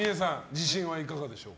自信はいかがでしょう。